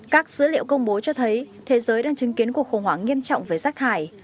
các dữ liệu công bố cho thấy thế giới đang chứng kiến cuộc khủng hoảng nghiêm trọng với rác thải